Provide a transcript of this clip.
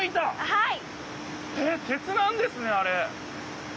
はい！